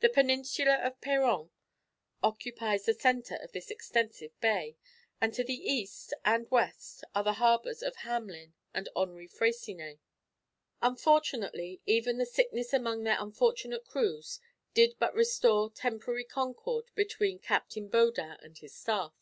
The peninsula of Péron occupies the centre of this extensive bay, and to the east and west are the harbours of Hamelin and Henri Freycinet." Unfortunately even the sickness among their unfortunate crews did but restore temporary concord between Captain Baudin and his staff.